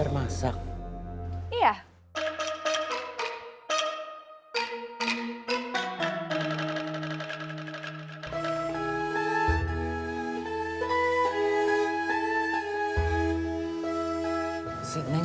semarang semarang semarang